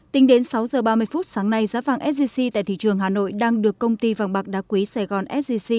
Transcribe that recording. tính đến sáu giờ ba mươi phút sáng nay giá vàng sgc tại thị trường hà nội đang được công ty vàng bạc đá quý sài gòn sgc